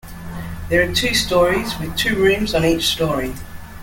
There are two stories, with two rooms on each story.